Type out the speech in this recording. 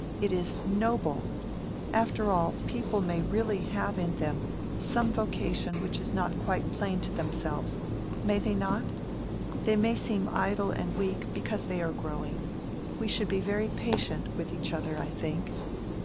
"It is noble. After all, people may really have in them some vocation which is not quite plain to themselves, may they not? They may seem idle and weak because they are growing. We should be very patient with each other, I think."